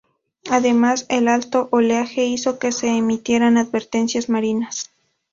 Además, el alto oleaje hizo que se emitieran advertencias marinas.